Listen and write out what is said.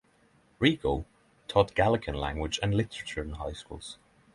Rego taught Galician language and literature in high schools.